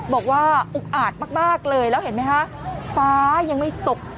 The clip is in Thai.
บอกว่าอุ๊กอาดมากมากเลยแล้วเห็นไหมฮะฟ้ายังไม่ตก